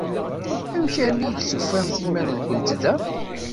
Amek armi ay d-tufamt iman-nwent da?